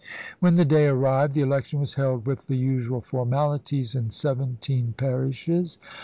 When the day arrived the election was held, with the usual formaUties, in seventeen parishes.